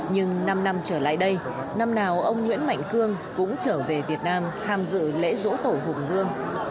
nhưng năm năm trở lại đây năm nào ông nguyễn mạnh cương cũng trở về việt nam tham dự lễ rỗ tổ hùng vương